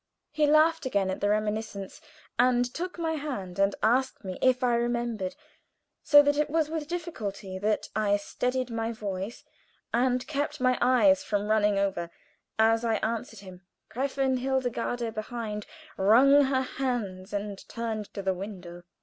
He laughed again at the reminiscence, and took my hand, and asked me if I remembered, so that it was with difficulty that I steadied my voice and kept my eyes from running over as I answered him. Gräfin Hildegarde behind wrung her hands and turned to the window.